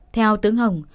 theo tướng hồng